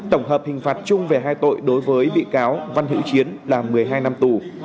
tổng hợp hình phạt chung về hai tội đối với bị cáo văn hữu chiến là một mươi hai năm tù